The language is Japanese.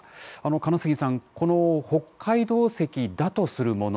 金杉さん北海道石だとするもの